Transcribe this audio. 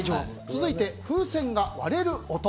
続いて風船が割れる音。